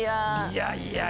いやいや。